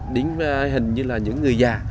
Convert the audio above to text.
điển hình như là những người già